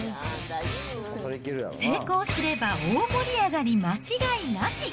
成功すれば大盛り上がり間違いなし。